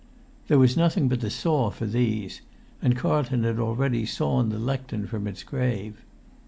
There was nothing but the saw for these, and Carlton had already sawn the lectern from its grave.